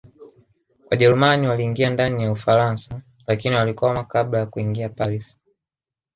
Wajerumani waliingia ndani ya Ufaransa lakini walikwama kabla ya kuingia Paris